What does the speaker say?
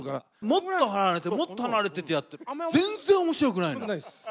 もっと離れて、もっと離れてってやって、全然おもしろくないの。